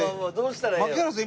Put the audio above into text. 槙原さん